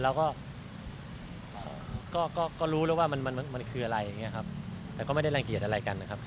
แล้วก็ก็รู้แล้วว่ามันคืออะไรอย่างนี้ครับแต่ก็ไม่ได้รังเกียจอะไรกันนะครับ